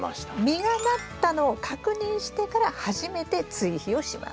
実がなったのを確認してから初めて追肥をします。